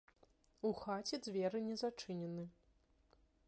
У хаце дзверы не зачынены.